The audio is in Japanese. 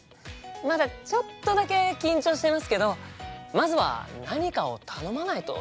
まだちょっとだけ緊張してますけどまずは何かを頼まないとですよね。